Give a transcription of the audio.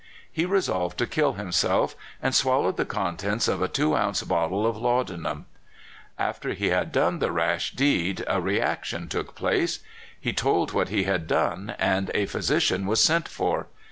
He resolved to kill himself, and swallowed the contents of a two ounce bottle of laudanum. After he had done the rash deed 234 CALIFORNIA SKETCHES. a reaction took place. He told what he had done, and a physician was sent for.